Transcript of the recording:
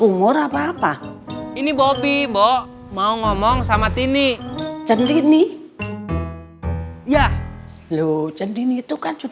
kalau dia lagi kerja itu jangan telepon telepon melulu